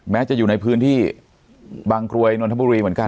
แม้จะอยู่ในพื้นที่บางกรวยนนทบุรีเหมือนกัน